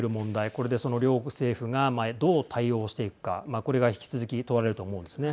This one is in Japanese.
これで両政府がどう対応していくかこれが引き続き問われると思うんですね。